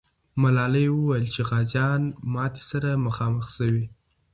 ملالۍ وویل چې غازیان ماتي سره مخامخ سوي.